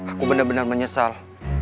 aku bener bener menyesal